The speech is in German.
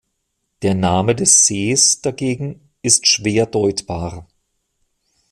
Der Name des Sees dagegen ist schwer deutbar.